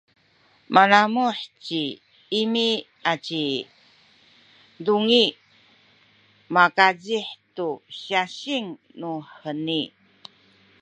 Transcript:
manamuh ci Imi aci Dungi makazih tu syasing nuheni.